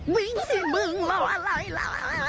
วิ่งสิมึงหล่ออะไรล่ะ